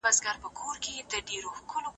د اقتصادي پرمختګ لپاره بیلابیل عوامل شتون لري.